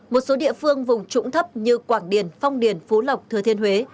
một số địa phương vùng trũng thấp như quảng điền phong điền phú lộc thừa thiên huế